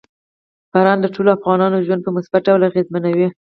باران د ټولو افغانانو ژوند په مثبت ډول اغېزمنوي.